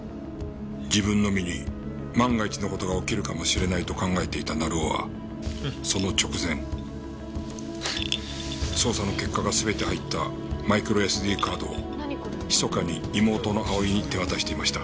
自分の身に万が一の事が起きるかもしれないと考えていた成尾はその直前捜査の結果が全て入ったマイクロＳＤカードを密かに妹の蒼に手渡していました。